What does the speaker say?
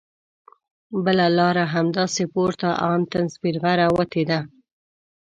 بله لاره همداسې پورته ان تر سپینغره وتې ده.